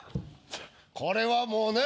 これはもうね。